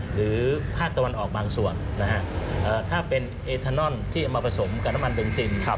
หรือภาคตะวันออกบางส่วนนะฮะถ้าเป็นเอทานอนที่เอามาผสมกับน้ำมันเบนซิน